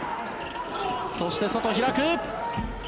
そして、外、開く。